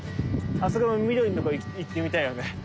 あそこの緑のとこ行ってみたいよね。